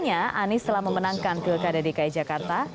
anies telah memenangkan pilkada dki jakarta